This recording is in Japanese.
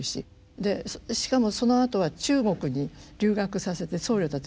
でしかもそのあとは中国に留学させて僧侶たちを留学させて。